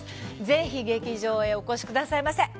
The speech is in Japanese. ぜひ、劇場へお越しくださいませ。